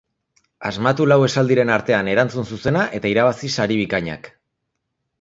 Asmatu lau esaldiren artean erantzun zuzena eta irabazi sari bikainak.